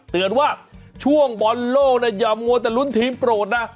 เตือนว่าช่วงบอลโลกอย่ามัวแต่ลุ้นทีมโปรดนะ